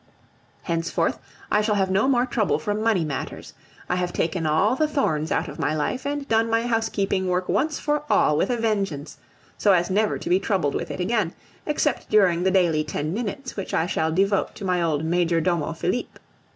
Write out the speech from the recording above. Henceforth I shall have no more trouble from money matters; I have taken all the thorns out of my life, and done my housekeeping work once for all with a vengeance, so as never to be troubled with it again, except during the daily ten minutes which I shall devote to my old major domo Philippe.